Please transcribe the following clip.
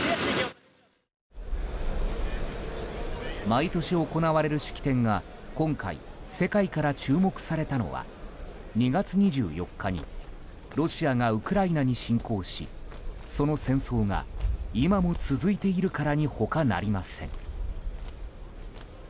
毎年行われる式典が今回、世界から注目されたのは２月２４日にロシアがウクライナに侵攻しその戦争が今も続いているからに他なりません。